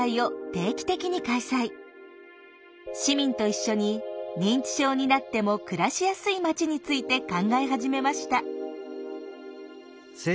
市民と一緒に認知症になっても暮らしやすい町について考え始めました。